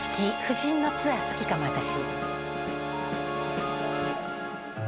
夫人のツアー好きかも私。